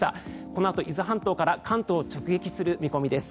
このあと、伊豆半島から関東を直撃する見込みです。